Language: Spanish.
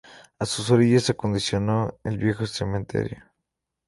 A sus orillas se acondicionó el viejo cementerio.